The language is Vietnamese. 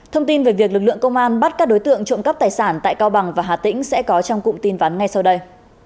thông tin về việc lực lượng công an bắt các đối tượng trộm cắp tài sản tại cao bằng và hà tĩnh sẽ có trong cụm tin vắn ngay sau đây